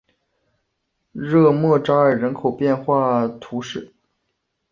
热莫扎克人口变化图示